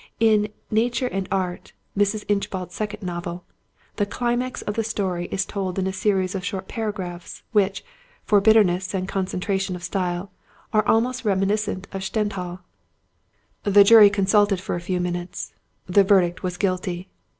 In Nature and Art, Mrs. Inchbald's second novel, the climax of the story is told in a series of short paragraphs, which, for bitterness and concentration of style, are almost reminiscent of Stendhal: The jury consulted for a few minutes. The verdict was "Guilty".